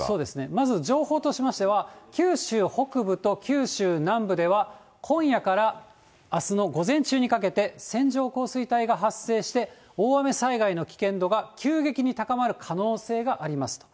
まず情報としましては、九州北部と九州南部では、今夜からあすの午前中にかけて、線状降水帯が発生して、大雨災害の危険度が急激に高まる可能性がありますと。